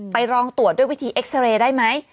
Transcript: ไปลองตรวจด้วยวิธีเอ็กซาเรย์ได้ไหม